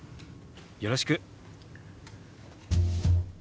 よろしく。